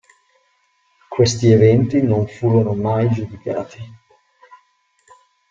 Questi eventi non furono mai giudicati.